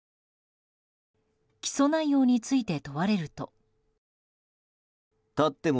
起訴内容について問われると。